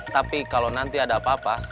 tapi kalau nanti ada apa apa